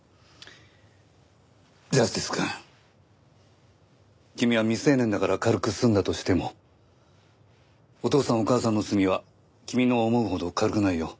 正義くん君は未成年だから軽く済んだとしてもお父さんお母さんの罪は君の思うほど軽くないよ。